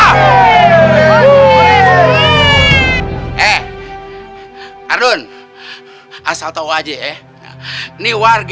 hai eh arun asal tahu aja nih warga